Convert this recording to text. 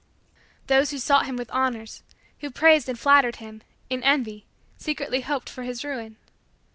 Those who sought him with honors who praised and flattered him, in envy, secretly hoped for his ruin.